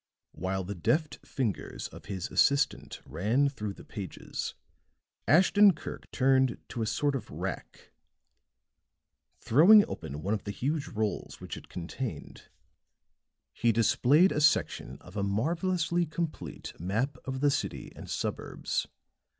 While the deft fingers of his assistant ran through the pages, Ashton Kirk turned to a sort of rack; throwing open one of the huge rolls which it contained, he displayed a section of a marvelously complete map of the city and suburbs.